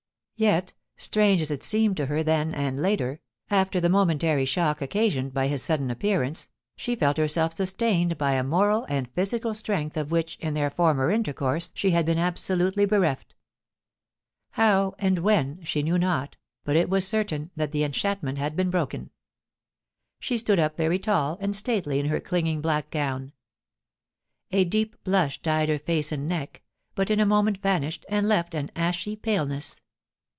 Yet, strange as it seemed to her then and later, after the momentary shock occasioned by his sudden appearance, she felt herself sustained by a moral and physical strength of which in their former intercourse she had been absolutely bereft. How, or when, she knew not, but it was certain that the enchantment had been broken. She stood up very tall and stately in her clinging black gown. A deep blush dyed her face and neck, but in a moment vanished and left an ashy paleness.